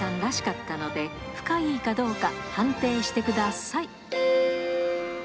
らしかったので、深イイかどうか判定してください。